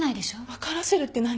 分からせるって何？